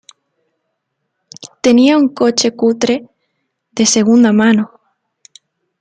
Tenía un coche cutre de segunda mano